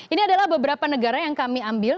ini adalah beberapa negara yang kami ambil